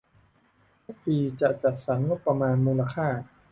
ทุกปีจะจัดสรรงบประมาณมูลค่า